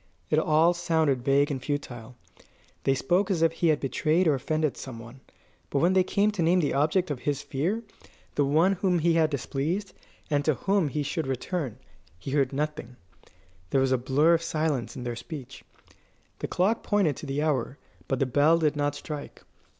It all sounded vague and futile. They spoke as if he had betrayed or offended some one; but when they came to name the object of his fear the one whom he had displeased, and to whom he should return he heard nothing; there was a blur of silence in their speech. The clock pointed to the hour, but the bell did not strike.